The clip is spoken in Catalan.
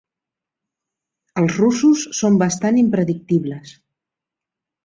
Els russos són bastant impredictibles.